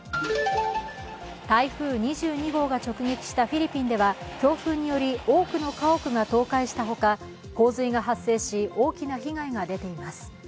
台風２２号が直撃したフィリピンでは強風により多くの家屋が倒壊したほか洪水が発生し、大きな被害が出ています。